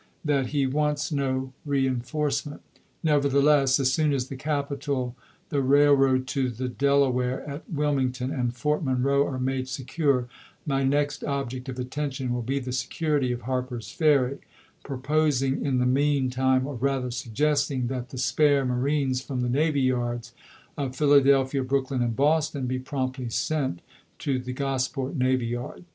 : that he wants no 96 ABRAHAM LINCOLN chap.v. reenforcement. Nevertheless, as soon as the capital, the railroad to the Delaware at Wilmington, and Fort Mon roe are made secure, my next object of attention will be the security of Harpei*'s Ferry — proposing, in the mean time, or rather suggesting that the spare marines from the navy yards of Philadelphia, Brooklyn, and Boston be promptly sent to the Gosport navy yard.